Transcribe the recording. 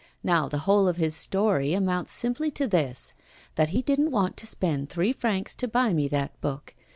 Now, the whole of his story amounts simply to this: that he didn't want to spend three francs to buy me that book.